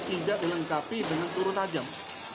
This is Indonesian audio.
tidak dilengkapi dengan peluru tajam